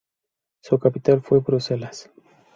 Su capital fue Bruselas.